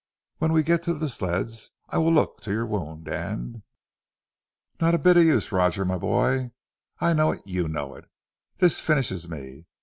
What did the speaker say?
When we get to the sleds I will look to your wound, and " "Not a bit of use, Roger, my boy! I know it, you know it! This finishes me.